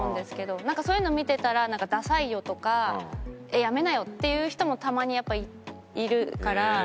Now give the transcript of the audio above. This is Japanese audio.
なんかそういうの見てたら「ダサいよ」とか「えっやめなよ」って言う人もたまにやっぱいるから。